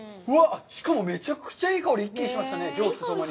しかも、めちゃくちゃいい香りが一気に来ましたね、蒸気とともに。